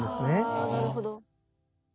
はあなるほど。